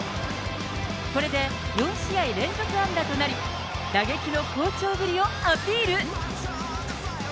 これで４試合連続安打となり、打撃の好調ぶりをアピール。